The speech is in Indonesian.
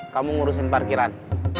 kamu ngurusin parkiran